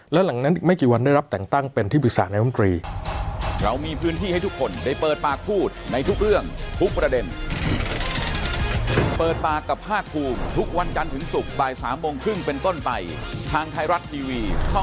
แล้วหลังนั้นอีกไม่กี่วันได้รับแต่งตั้งเป็นที่ปรึกษานายมนตรี